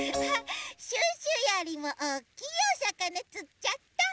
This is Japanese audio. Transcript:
シュッシュよりもおおきいおさかなつっちゃった。